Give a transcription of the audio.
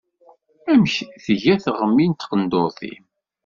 Amek tga teɣmi n tqendurt-im?